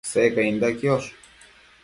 Secainda quiosh